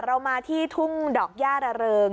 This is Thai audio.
เรามาที่ทุ่งดอกย่าระเริง